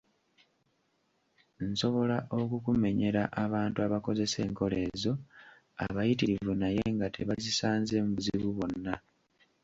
Nsobola okukumenyera abantu abakozesa enkola ezo abayitirivu naye nga tebazisanzeemu buzibu bwonna.